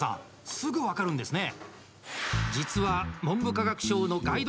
すぐ分かるんですね！